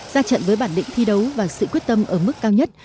ra trận với bản định thi đấu và sự quyết tâm ở mức cao nhất